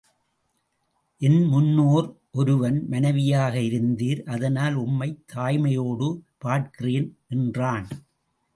என் முன்னோர் ஒருவன் மனைவியாக இருந்தீர் அதனால் உம்மைத் தாய்மையோடு பார்க்கிறேன் என்றான்.